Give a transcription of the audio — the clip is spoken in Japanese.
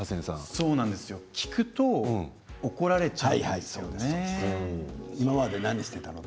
そうなんです聞くと怒られちゃうんです。